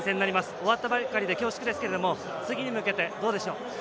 終わったばかりで恐縮ですけれども次に向けて、どうでしょう？